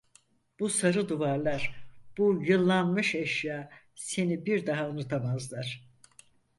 Bu sarı duvarlar, bu yıllanmış eşya seni bir daha unutamazlar.